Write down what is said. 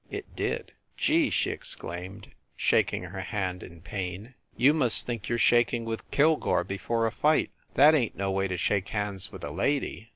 It did. "Gee!" she exclaimed, shaking her hand in pain, "you must think you re shaking with Kilgore before a fight. That ain t no way to shake hands with a lady